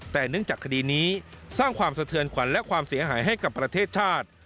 แต่เนื่องจากคดีนี้สร้างความสะเทือนขวัญและความเสียหายให้กับประเทศชาติ